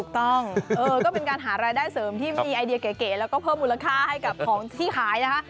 ถูกต้องก็เป็นการหารายได้เสริมที่มีไอเดียเก๋แล้วก็เพิ่มมูลค่าให้กับของที่ขายนะคะ